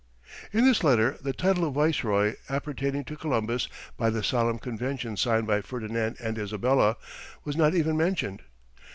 In this letter, the title of Viceroy appertaining to Columbus by the solemn conventions signed by Ferdinand and Isabella, was not even mentioned.